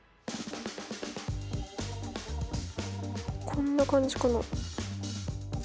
こんな感じかな？